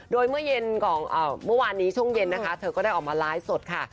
โดยเมื่อเย็นของเมื่อวานนี้ช่วงเย็นนะคะเธอก็ได้ออกมาไลฟ์สดค่ะ